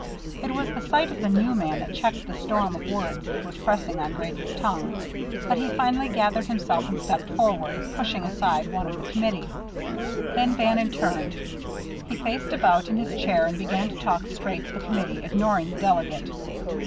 It was the sight of the new man that checked the storm of words that was pressing on Grady's tongue. But he finally gathered himself and stepped forward, pushing aside one of the committee. Then Bannon turned. He faced about in his chair and began to talk straight at the committee, ignoring the delegate.